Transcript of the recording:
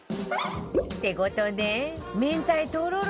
って事で明太とろろ